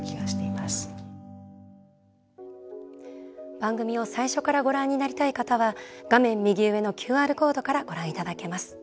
番組を最初からご覧になりたい方は画面右上のＱＲコードからご覧いただけます。